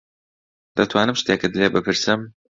دەتوانم شتێکت لێ بپرسم؟